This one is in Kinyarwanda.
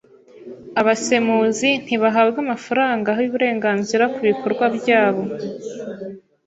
Abasemuzi ntibahabwa amafaranga yuburenganzira kubikorwa byabo.